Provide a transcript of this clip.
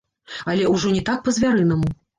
Але ўжо не так па-звярынаму.